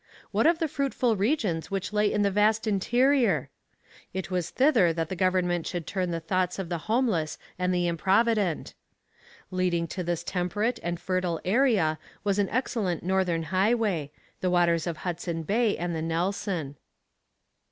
What of the fruitful regions which lay in the vast interior? It was thither that the government should turn the thoughts of the homeless and the improvident. Leading to this temperate and fertile area was an excellent northern highway the waters of Hudson Bay and the Nelson.